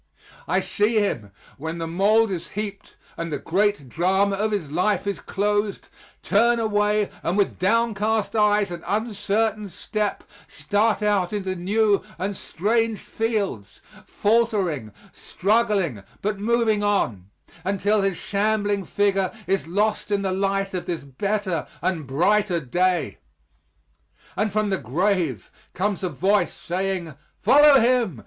I see him, when the mold is heaped and the great drama of his life is closed, turn away and with downcast eyes and uncertain step start out into new and strange fields, faltering, struggling, but moving on, until his shambling figure is lost in the light of this better and brighter day. And from the grave comes a voice, saying, "Follow him!